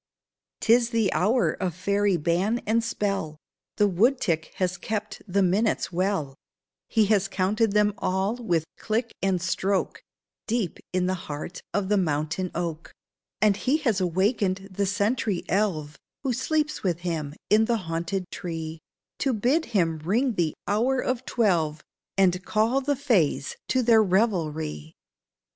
'Tis the hour of fairy ban and spell: The wood tick has kept the minutes well; He has counted them all with click and stroke Deep in the heart of the mountain oak; And he has awakened the sentry elve, Who sleeps with him in the haunted tree, To bid him ring the hour of twelve, And call the fays to their revelry.